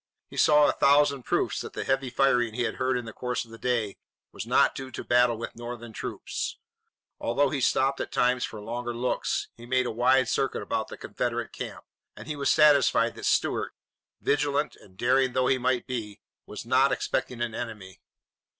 He saw a thousand proofs that the heavy firing he had heard in the course of the day was not due to battle with Northern troops. Although he stopped at times for longer looks, he made a wide circuit about the Confederate camp, and he was satisfied that Stuart, vigilant and daring though he might be, was not expecting an enemy.